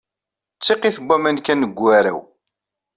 D tiqit n waman kan deg ugaraw.